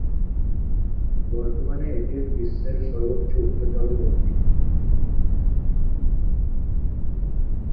বর্তমানে এটির বিশ্বের সর্বোচ্চ উচ্চতার মূর্তি।